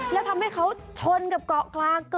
แล้วทำให้เขาชนกับเกาะกลาง